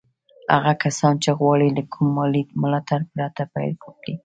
هغه کسان چې غواړي له کوم مالي ملاتړ پرته پيل وکړي.